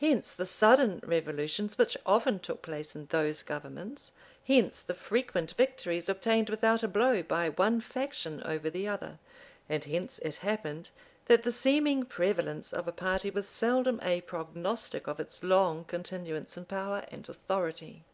Hence the sudden revolutions which often took place in those governments; hence the frequent victories obtained without a blow by one faction over the other; and hence it happened, that the seeming prevalence of a party was seldom a prognostic of its long continuance in power and authority.